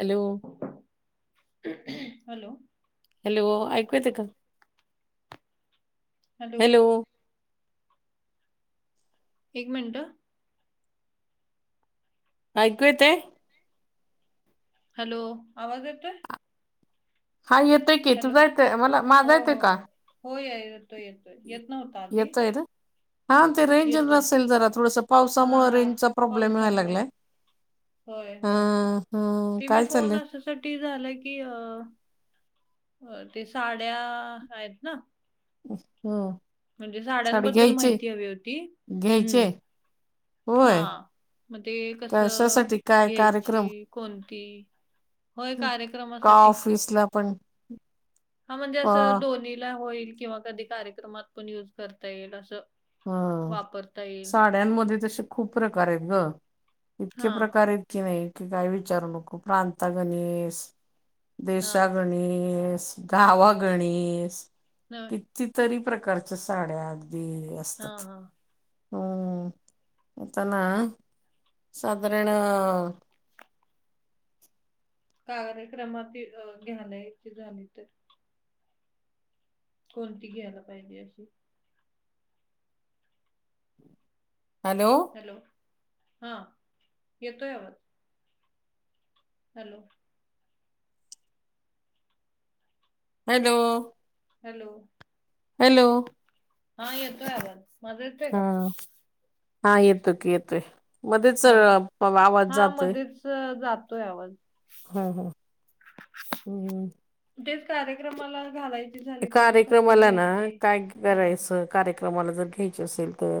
Hello hello? Hello? ऐकू येतंय का? हॅलो? एक मिनिटं, हं. ऐकू येतंय? हॅलो? आवाज येतोय? हा येतोय की, तूझा येतोय मला, माझा येतोय का? होय, य येतो-येतोय, येत नव्हता आधी. येतोय ना हा ते रेंजच येतोय नसेल जरा, थोडस हा पावसामुळे रेंजचा प्रॉब्लेम, व्हाय पावसामुळे लागलाय. होय हं हं हम्, काय चाललंय? क्ट्टी झालं की, अ ते साड्या आहेत ना? अच्छा, हो. म्हणजे साड्याणबद्दल माहिती हवी होती, घ्यायचे हम्म. हा, होय म ते कसं, कशासाठी काय घ्यायची कार्यक्रम कोणती? होय, का कार्यक्रमासाठी. ऑफिसला पण हां, म्हणजे का असं, दोन्हीला होईल, किंवा कधी कार्यक्रमात पण युज करता येईल, असं. हं, वापरता येईल. साड्यांमध्ये तसे खूप प्रकार येत गं, इतके हां, प्रकार येत की बाई, काई विचारू नको, प्रांता गणेस देशा हां, गणेस, गावा गणीस नव्हे. कि तितरी प्रकारच्या साड्या, अगदी हा हा. हम्, आताना, साधारण कार्यक्रमात, ई [unintelligible] इतकी झाली तर कोणती घ्यायला पाहिजे, अशी? हॅलो? हॅलो? हा, येतोय आवाज. हॅलो? हॅलो! हॅलो! हॅलो! हा येतोय आवाज. माझा येतोय का? हम्म हा येतोय की येतोय मध्येच आवाज जातोय. त जातोय आवाज. हा हा. हम्म. तेच कार्यक्रमाला घालायचे कार्यक्रमाला ना काय हां, करायचं कार्यक्रम कामाला जर घ्यायची असेल तर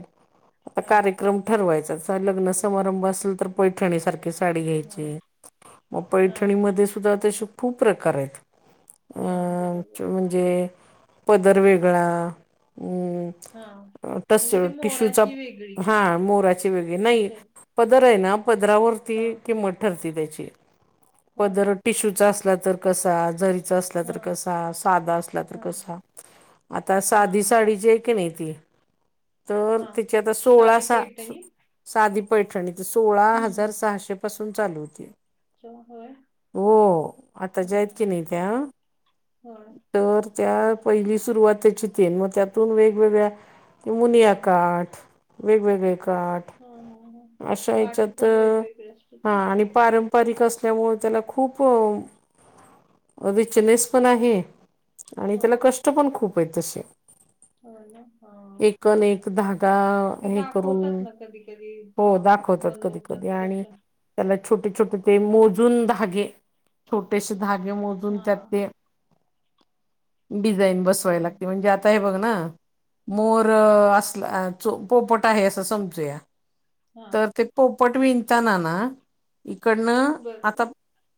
आता हां, कार्यक्रम ठरवायच लग्न समारंभ असेल तर पैठणीसारखं की साडी हां, घ्यायची मग हां, पैठणीमध्ये सुद्धा तसे खूप प्रकार आहेत. अ हां, बरोबर. म्हणजे पदर वेगळा अं हां. तस म्हणजे ती टिश्यूचा मोराची वेगळी हा मोराची वेगळी नाही. असं. पदर आहे ना पदरावरती हां, किंमत ठरती त्याची होय. पदर टिशूचा असला तर कसा? जरीचा असला तर हां, कसा? सादा अस ला तर हां, कसा आता हां. साधी साडी जी आहे की नाही ती तर हा त्याची आता सोळा साधी अस पैठणी साधी पैठणी ते सोळा हम्म हजार हम्म सहाशे पासून चालू होती. अच्छा, होय हो आता ज्या हायत की नाही त्या हम्म. तर त्या पहिली सुरुवात त्याची ती न मग त्यातून वेगवेगळ्या कि हा हा मुनिया काठ, वेगवेगळे काठ हा हा अशा काठ ह्याच्यात पण वेगवेगळे असतात हा ना आणि पारंपा पारिक असल्यामुळे त्याला खूप रिचनेस पण आहे. आणि त्याला होय कष्ट पण खूप आहेत तसे. होय ना हा एक न एक धागा ते हे करून दाखवतात ना कधी कधी हा हो दाखवतात कधी कधी बनवतात आणि कसं त्याला छोटे छोटे ते मोजून धागे छोटेसे धागे मोजून हा त्यात ते डिझाईन बसवाय होय लागते म्हणजे आता आता हे बघ ना मोर असला पोपट आहे असं समजूया. हा तर ते पोपट विंताना ना इकडनं आता बरोबर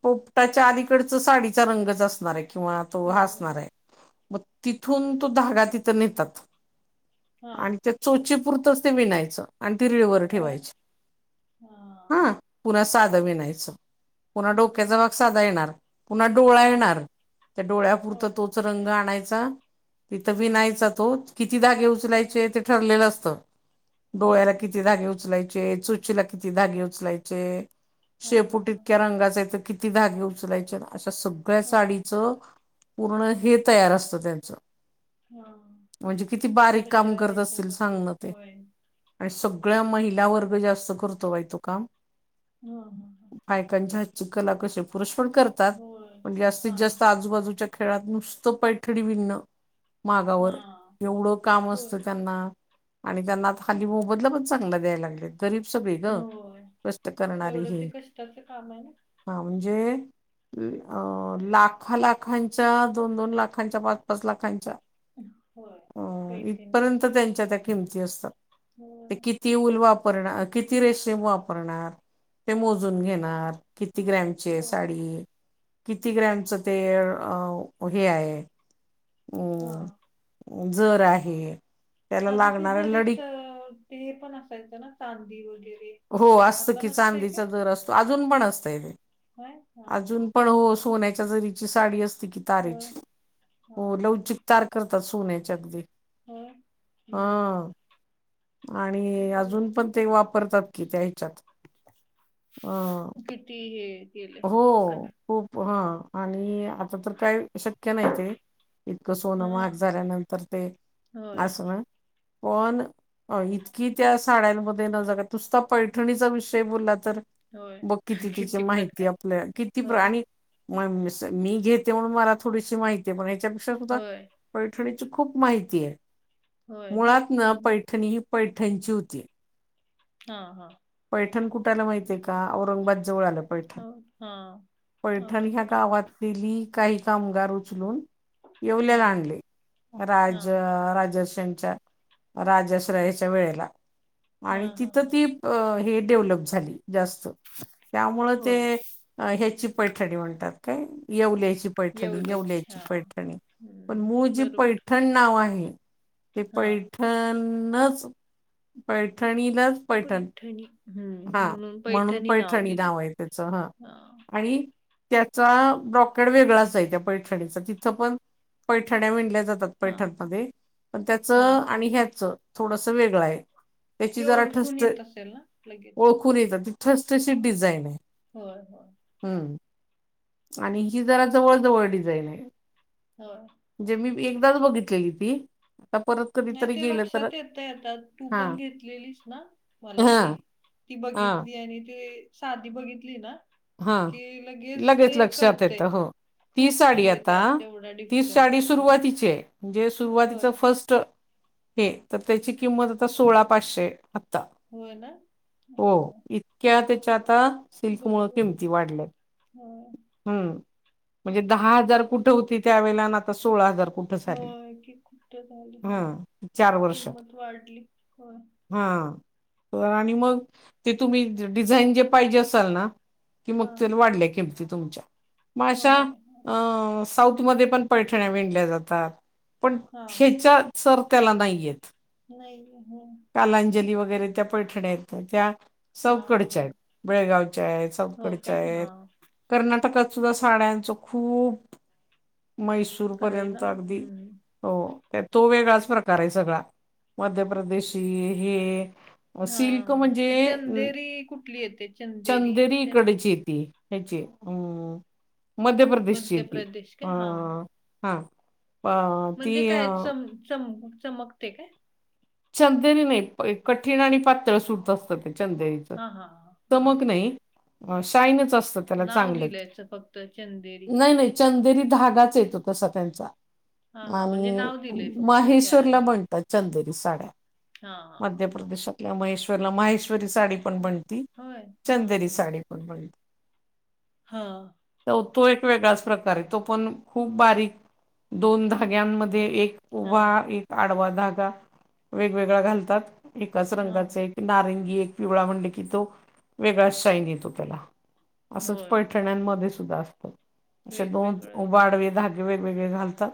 पोपटाच्या अलीकडच साडीचा रंगच असणार आहे किंवा तो हा होय असणार आहे म तिथून तो धागा तिथं नेतात हा आणि त्या बरोबर चोचीपुरतंच ते विनायचं. आणि ती रिळ वर होय ठेवायची हा. पुन्हा साधं विनायचं, पुन्हा बरोबर डोक्याचा भाग साधा येणार, पुन्हा डोळा हा येणार. त्या डोळ्यापुरत होय तोच रंग आणायचा तिथं हा विनायचा तो. किती धागे हा उचलायचे ते ठरलेलं असतं, होय डोळ्याला किती धागे उचलायचे, चो चीला किती धागे उपलायचे? हा हा शेपूट हा इतक्या रंगायचय तर किती धागे उचलायचे अशा सगळ्या होय साडी पूर्ण हे तयार असत त्यांचं. हा म्हणजे किती बारीक काम तशा करत असतील ह्याच्यामध्ये सांगण ते. होय आणि सगळ्या महिला वर्ग जास्त करतो बाई तो काम. हा हां हां. त्यांच्या हातची कला कशी पुरुष पण करतात होय. पण जास्तीत हां, जास्त- - आजूबाजूच्या खेळात नुसतं पैठणी विनणं मागावर हां. एवढं काम होय, असतं त्यांना- - आणि त्यांना आता हल्ली मोबदला पण चांगला द्याय लागलेत. गरीब सगळी ग, होय. कष्ट करणारी एवढं ही. ते कष्टाचं काम आहे ना. हा म्हणजे लाख - - खां - लाखांच्या, दोन -दोन लाखांच्या, पाच -पाच लाखांच्या- - होय. अ इथपर्यंत पैठणीचं. त्यांच्या त्या किमती असतात होय. ते की की ऊल वापरणार किती रेशीम वापरणार ते मोजून हां. घेणार. किती ग्रॅम चे होय. साडी किती ग्रॅमच ते अ हे आहे? उ हां. जर आहे. त्याला आधी ते लागणाऱ्या जरीत लडी ते हे पण असायचं ना चांदी वगैरे. हो असत आता की नसतंय चांदीचा काय? जर असतो, अजून पण असतय ते. नाही? हां. अजून पण हो सोन्याच्या जरीची साडी असते कि- - होय. तारेची. हां, हो लवचिक हां. तार करतात सोन्याची अगदी. होय. हम्म. हा. आणि अजून होय. पण ते वापरतात. कि त्या हेच्यात, आ ती हे- केलंय हो लोकांनी. खूप हा आणि- - आता तर काही शक्य नाही ते इतकं सोनं महाग हां. झाल्यानंतर, ते- - होय, अस ना, पण- - अ इतकी त्या साड्यांमध्ये न जरा नुसता पैठणीचा विषय बोलला तर? होय. बघ किती तिचे माहिती- - ती आपल्या किती प्रा - होय, आणि मी घेते म्हणून मला थोडीशी माहिती आहे. पण हेच्या - समजा होय. पैठणीची खूप माहिती आहे. होय मुळात ना हम्म. पैठणी ही- - पैठणची होती. हा हा. पैठण कुठ आलं माहितये का? औरंगाबाद जवळ आलं. ह पैठण हा पैठण ह्या गावातली काही कामगार उचलून- - हा येवल्या ला आणले, हा राज राजर्षणच्या- राजाश्रयाच्या वेळेला हा आणि हा तिथं हा ती- - अ हे डेव्हलप झाली जास्त त्यामुळे ते होय. हे ची पैठणी म्हणतात काय येवल्याची- - पैठणी येवलेच येवल्याची हा पैठणी, पण मूळ हम्म जी बरोबर पैठण- नाव आहे, ते हा पैठणच पैठणीलाच पैठण. हा म्हणून पैठणी नाव आहे त्याचं हा. हा. आणि त्याचा ब्रॉकेड वेगळाच आहे त्या पैठणीचा. तिथं पण- - पैठण्या विणल्या जातात. हा पैठणमध्ये. पण त्याच हा आणि ह्याच थोडस वेगळं आहे. त्याची ते जरा ओळखून ठसठ, येत असेल ना लगेच ओळखून येतात ती ठस हा ठशित डिझाईन आहे. होय होय. हम्म. आणि हि जरा जवळ जवळ डिझाईन आहे. होय. म्हणजे मी बी एकदाच बघितलेली ती, आता परत- नाही कधीतरी ते गेलं तर लक्षात येतयं आता तू हा पण घेतलेलीस ना मला हा ती. ती हा बघितली, आणि ते साधी बघितली ना हा की लगेच ते लक्षात कळतय येतं,. हं ती खूप साडी म्हणजे आता, त्यात तेवढा ती डिफरन्स साडी आहे होय सुरुवातीची आहे, म्हणजे होय. सुरुवातीचं फर्स्ट हे तर त्याची किंमत आता सोळा पाचशे, आत्ता होय ना? हो हां. इ त्या त्याचे आता सिल्कमुळं बरोबर किमती वाढल्यात हा हम्म म्हणजे दहा हजार कुठं होती त्यावेेळेला आण आता सोळा हजार कु हो की कुट झाली, हो हां किंमत वाढली होय. हा तर आणि मग ते तुम्ही डिझाईन जे पाहिजे असाल ना कि मग ते हां. वाढल्या किमती तुमच्या मग अशा होय. अ साऊथमध्ये पण पैठण्या विणल्या जातात, पण हां. हेच्या सर त्याला नाही येत. नाही अं हं कालांजली वगैरे त्या पैठण्यात येत त्याच्या साऊथ कडच्या हां. हेत, बेळगावच्या ये, हो साऊथकडच्या काय? येत. हां. कर्नाटकात सुद्धा साड्यांचं खूप मैसू आहे ना? सुरपर्यंत अगदी हं. हो त्यात तो वेगळाच प्रकार आहे सगळा, मध्य प्रदेशी हे हा, सिल्क हा म्हणजे ती अं, चंदेरी कुठली येते? चंदेरी असते ना? इकडची येती ह ची अम् मध्य प्रदेश का हा हां. हा अ ती म्हणजे काय अं, चम- चम चमकते काय? चंदेरी नाही कठीण आणि पातळ सुत असत ते चंदेरीच हां, हां, हां. हां, चमक हां. नाही. अं शाईनिच असतात. नाव दिलायचं फक्त चंदेरी. नाही नाही चंदेरी धागाच येतो तसा त्यांचा. हां, हां. म्हणजे अन् नाव दिलंय फक्त त्या माहेश्वरला ह्याला. बनतात. चंदेरी साड्या, हां, हां, हां. मध्य प्रदेशातल्या महेश्वरला माहेश श्वरी साडी पण होय. बनती, चंदेरी हां. साडी पण बनती. हा हो तो एक वेगळाच प्रकार आहे तो पण खूप बारीक दोन धाग्यांमध्ये एक हां, उभा, एक आडवा धागा वेगवेगळया घालतात एकाच हां. रंगाचे नारंगी एक पिवळा म्हणलं की तो वेगळाच शाईन येतो त्याला असंच पट होय. पैठण्यांमध्ये सुद्धा असतो, असे दोन वेगवेगळं उभे, आडवे धाग गे वेगवेगळे घालतात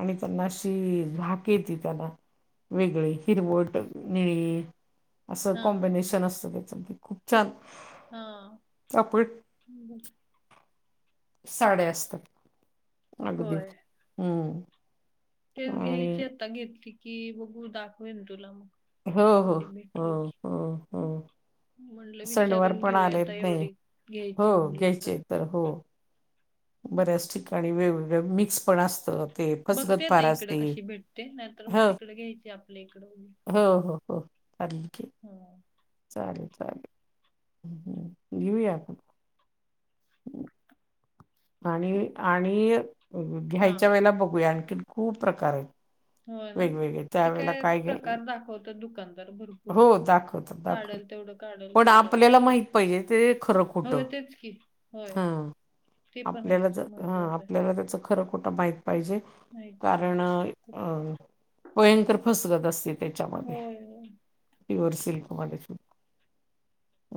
आणि त्यांना अशी झाक येती त्यांला. वेगळी हिरवट, निळी असं हां, हां, कॉम्बिनेशन असतं त्याचं आणखि खूप चाल हा, हम. साड्या असतात अगदी, होय. हम्म तेच आणि घ्यायचेत आता घेतली की बघू दाखवेन तुला मग. हो, हो, कधी भेटलो की. हो, हो, म्हणलं ह. सण वार विचारून पण घेऊया आलेत आता नाही, एवढी हो घ्यायची म्हणली घ्यायचे तर हो. बऱ्याच ठिकाणी वेगवेगळ्या मिक्स पण असत बघते आता इकडे कशी भेटते, नाहीतर मग हो तिकडे घ्यायची, आपल्या इकडं हो हो हो, चालेल की. हो. चालेल चालेल, घेऊया आपण. [unintelligible] आणि आणि हां. घ्यायच्या वेळेला बघूया, आणखीन खूप प्रकार आहेत. होय ना, वेगवेगळे ते त्यावेेळेला काय घ्याय प्रकार दाखवतात दुकानदार भर हो, दाखवतात दाखवत, पण तेवढं. आपल्याला माहित पाहिजे ते खरं, खोट. होय तेच की. होय. ते पण आपल्याला आहेच जर हा, महत्त्वाचं आहे आपल्याला त्याच खरं, खोटं माहित पाहिजे. माहिती कारण पाहिजे. अं भयंकर फसवत असतील. होय, होय. प्युअर सिल्कमध्ये [unintelligible]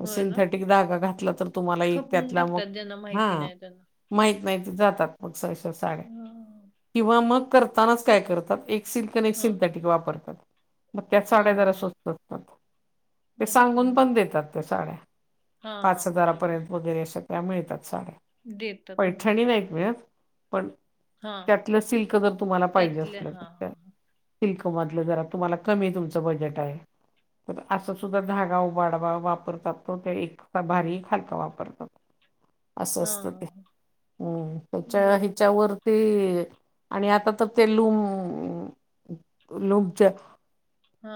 होय ना सिंथेटिक धागा घातला, तर तुम्हाला एक खपवून त्यायातला मग टाकतात ज्यांना माहिती नाही त्यांना. माहीत नाही जातात मग सहसा साड्या हा किंवा मग करतानाच काय करतात, एक सिल्क आणि एक हा सिंथटिक वापरतात. मग त्याच हा साड्या हा जरा हा. स्वस्त असतात. ते अच्छा सांगून पण देतात त्या साड्या हा हा पाच बरोबर. हजारापर्यंत वगैरे अश्या त्या मिळतात साड्या. देतात म्हणून पैठणी नाहीत मिळत पण हा त्यातलं सिल्क जर तुम्हाला पाहिजे त्यातल्या असलं हा तर हा हा. सिल्कमधलं जरा, तुम्हाला कमी तुमचं बजेट आहे. तर असा सुद्धा धागा उभा, उडवा वा परतात. तो ते एकसा भारी खालचा वापरतात. असं हा असतं हा ते. हा त्याच्या बरोबर हिच्यावर ते आणि आता तर ते, लूम लूमच्या हा,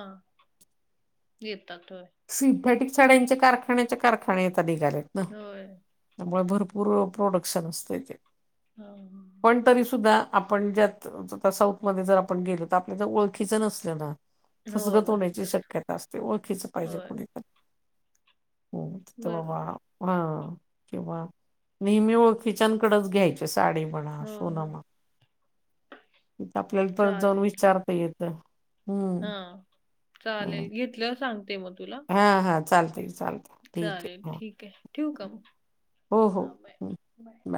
येतात. होय. सिंथेटिक साड्यांच्या कारखान्याच्या कारखान्या [unintelligible] होय. त्यामुळे भरपूर प्रोडक्शन असतय ते. हं हं हं. पण तरी सुुद्धा आपण ज्यात साऊथ मध्ये जर आपण गेलो, तर आपल्याला ओळखीच नसल ना हो फसगत होण्याची नसतात शक्यता असते. ओळखीच पाहिजे होय कुणी होत बाबा बरोबर हा, किंवा नेहमी ओळखीच्यांकडेच घ्यायच. साडी म्हणा, हो सोन हो. म्हणा. तिथं आपल्याला परत जाऊन चालेल चालेल विचारता येत. हा चालेल, घेतल्यावर सांगते मग तुला. हा हा, चालतय चालतय. चालेल, ठीक आहे. ठेवू का हो हो मग? हं बाय